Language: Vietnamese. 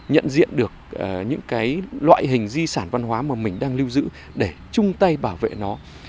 nhận diện được những cái loại hình di sản văn hóa mà mình đang lưu giữ để chung tay bảo vệ nó